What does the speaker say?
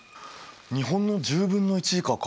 日本の１０分の１以下か。